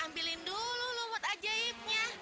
ambilin dulu lu buat ajaibnya